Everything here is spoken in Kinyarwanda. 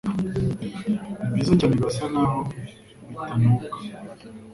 nibyiza cyane birasa nkaho bitanuka